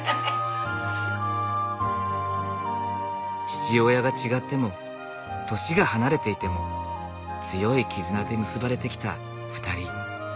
父親が違っても年が離れていても強い絆で結ばれてきた２人。